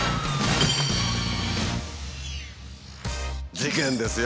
事件ですよ。